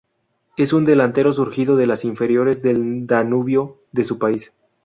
Es un Delantero surgido, de las inferiores del Danubio de su país.